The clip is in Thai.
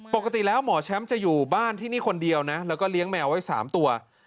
ปกติแล้วหมอแชมป์จะอยู่บ้านที่นี่คนเดียวนะแล้วก็เลี้ยงแมวไว้๓ตัว